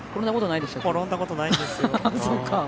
転んだことないんですよ。